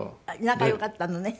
仲良かったのね。